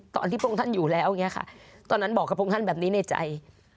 ตอนที่พวกท่านอยู่แล้วตอนนั้นบอกกับพวกท่านแบบนี้ในใจ